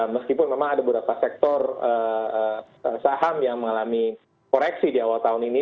meskipun memang ada beberapa sektor saham yang mengalami koreksi di awal tahun ini